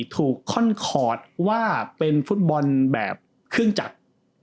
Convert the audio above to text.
ข้อนคอร์ดว่าเป็นฟุตบอลแบบเครื่องจักร